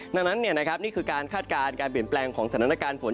ดังนั้นนี่คือการคาดการณ์การเปลี่ยนแปลงของสถานการณ์ฝน